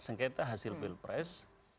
sengketa hasil pilpres